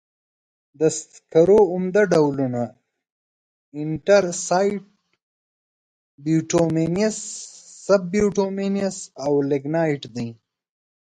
د سکرو عمده ډولونه انترسایت، بټومینس، سب بټومینس او لېګنایټ دي.